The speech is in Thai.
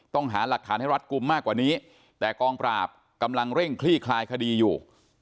ต้องหาหลักฐานให้รัฐกลุ่มมากกว่านี้แต่กองปราบกำลังเร่งคลี่คลายคดีอยู่